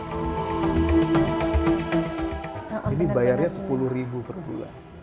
ini bayarnya sepuluh ribu per bulan